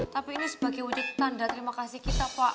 tapi ini sebagai wujud tanda terima kasih kita pak